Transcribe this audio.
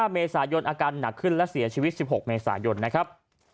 เมษายนอาการหนักขึ้นและเสียชีวิต๑๖เมษายนนะครับ